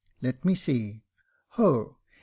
" Let me see — hoh